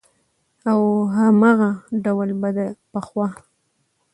او هماغه ډول به د پخوا